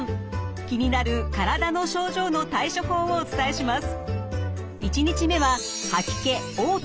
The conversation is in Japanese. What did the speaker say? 気になる体の症状の対処法をお伝えします。